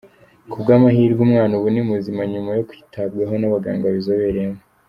Ku bw’ amahirwe umwana ubu ni muzima nyuma yo kwitabwabo n’abaganga babizobereyemo.